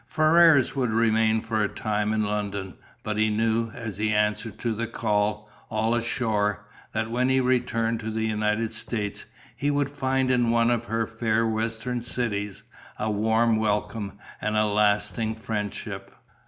Ferrars would remain for a time in London, but he knew, as he answered to the call "all ashore," that when he returned to the United States he would find in one of her fair western cities, a warm welcome and a lasting friendship.